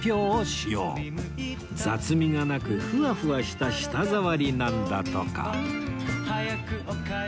雑味がなくふわふわした舌触りなんだとか